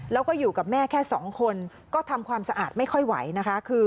แล้วก็อยู่กับแม่แค่สองคนก็ทำความสะอาดไม่ค่อยไหวนะคะ